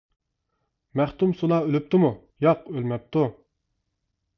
— مەختۇمسۇلا ئۆلۈپتىمۇ؟ — ياق، ئۆلمەپتۇ.